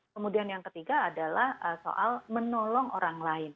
kemudian yang ketiga adalah soal menolong orang lain